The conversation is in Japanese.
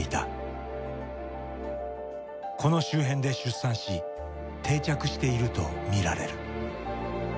この周辺で出産し定着していると見られる。